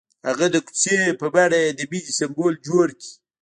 هغه د کوڅه په بڼه د مینې سمبول جوړ کړ.